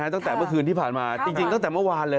ตั้งแต่เมื่อคืนที่ผ่านมาจริงตั้งแต่เมื่อวานเลย